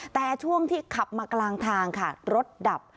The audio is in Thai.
แต่ช่วงที่ขับมากลางทางค่ะรถดับ